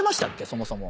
そもそも。